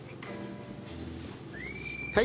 はい。